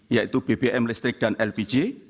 yaitu bbm listrik dan lpg